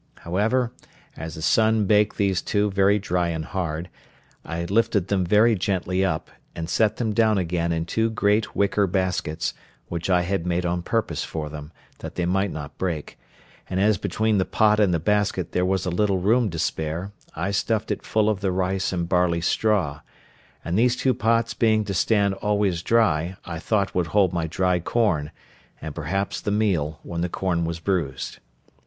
However, as the sun baked these two very dry and hard, I lifted them very gently up, and set them down again in two great wicker baskets, which I had made on purpose for them, that they might not break; and as between the pot and the basket there was a little room to spare, I stuffed it full of the rice and barley straw; and these two pots being to stand always dry I thought would hold my dry corn, and perhaps the meal, when the corn was bruised.